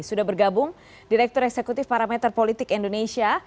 sudah bergabung direktur eksekutif parameter politik indonesia